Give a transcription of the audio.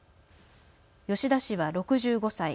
吉田氏は６５歳。